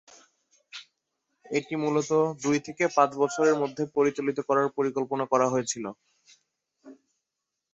এটি মূলত দুই থেকে পাঁচ বছরের মধ্যে পরিচালিত করার পরিকল্পনা করা হয়েছিল।